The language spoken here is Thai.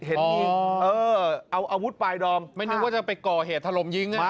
เห็นยิงเออเอาอาวุธปลายดอมไม่นึกว่าจะไปก่อเหตุถล่มยิง